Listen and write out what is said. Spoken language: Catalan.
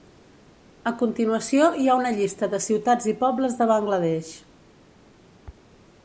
A continuació hi ha una llista de ciutats i pobles de Bangladesh.